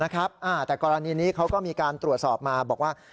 แต่กรณีนี้เขาก็มีการตรวจสอบมาบอกว่า